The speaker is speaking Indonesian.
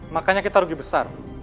makanya kita rugi besar